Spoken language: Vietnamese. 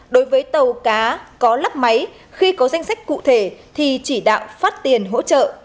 đối với tàu cá có lắp máy khi có danh sách cụ thể thì chỉ đạo phát tiền hỗ trợ